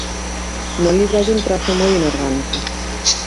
No libro hai un trazo moi inorgánico.